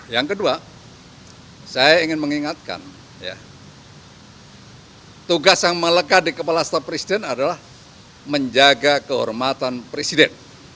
yang kedua saya ingin mengingatkan tugas yang melekat di kepala staf presiden adalah menjaga kehormatan presiden